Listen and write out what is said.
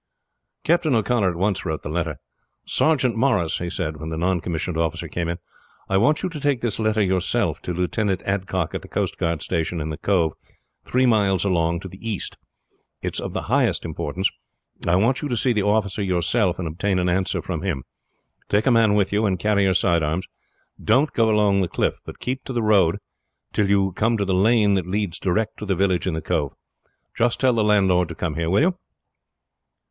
Captain O'Connor at once wrote the letter. "Sergeant Morris," he said, when the non commissioned officer came in, "I want you to take this letter yourself to Lieutenant Adcock at the coast guard station in the cove three miles along to the east. It is of the highest importance. I want you to see the officer yourself and obtain an answer from him. Take a man with you, and carry your side arms. Don't go along the cliff, but keep to the road till you come to the lane that leads direct to the village in the cove. Just tell the landlord to come here, will you?"